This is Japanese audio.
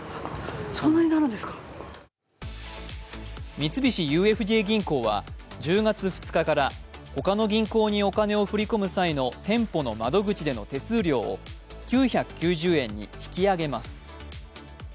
三菱ＵＦＪ銀行は１０月２日から他の銀行にお金を振り込む際の店舗の窓口での手数料を９９０円に引き上げます。